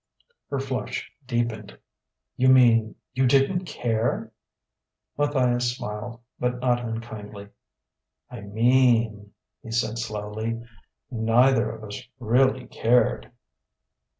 Her flush deepened. "You mean you didn't care !" Matthias smiled, but not unkindly. "I mean," he said slowly "neither of us really cared."